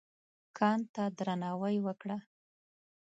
کان ته درناوی وکړه.